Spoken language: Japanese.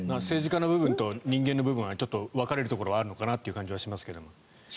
政治家の部分と人間の部分はちょっと分かれるところはあるのかなという感じがしますけど。